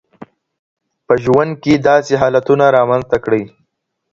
په ژوند کې داسې حالتونه رامنځته کړئ.